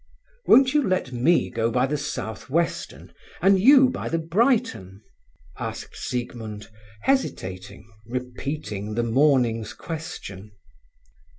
"Won't you let me go by the South Western, and you by the Brighton?" asked Siegmund, hesitating, repeating the morning's question.